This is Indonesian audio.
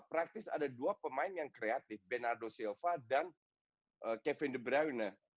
praktis ada dua pemain yang kreatif bernardo silva dan kevin debraina